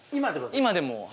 今でも。